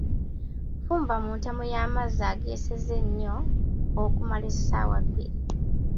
Fumba mu ntamu y'amazzi ageseze enyo okumala essaawa bbiri